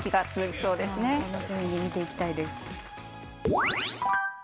楽しみに見ていきたいです。